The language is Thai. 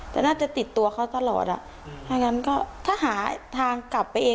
แต่น่าจะติดตัวเขาตลอดอ่ะถ้างั้นก็ถ้าหาทางกลับไปเอง